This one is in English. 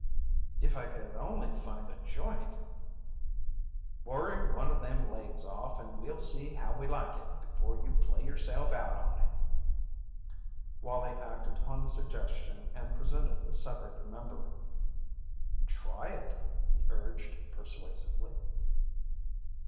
"If I could only find a joint " "Worry one of them legs off and we'll see how we like it before you play yourself out on it." Wallie acted upon the suggestion and presented the severed member. "Try it," he urged, persuasively.